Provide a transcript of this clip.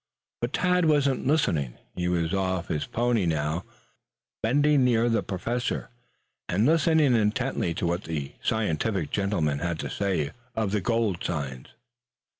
But Tad wasn't listening. He was off his pony now, bending near the Professor, and listening intently to what that scientific gentleman had to say of the gold signs.